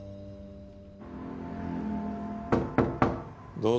どうぞ。